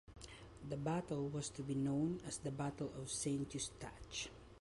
The Battle was to be known as The Battle of Saint-Eustache.